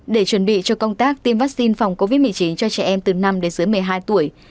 để chuẩn bị cho công tác tiêm vaccine phòng covid một mươi chín cho trẻ em từ năm đến dưới một mươi hai tuổi